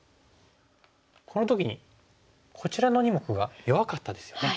この時にこちらの２目が弱かったですよね。